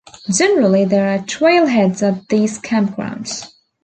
Generally, there are trailheads at these campgrounds.